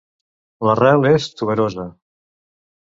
L'arrel és tuberosa.